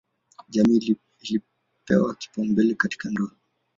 Jamii ilipewa kipaumbele katika ndoa.